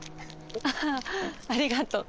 ああありがとう。